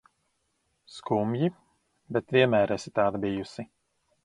Skumji, bet vienmēr esi tāda bijusi.